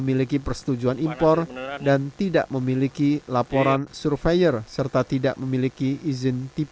mimpor tindak memiliki laporan surveyor serta tidak memiliki izin tipe